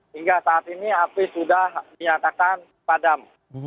hingga saat ini api sudah dinyatakan padam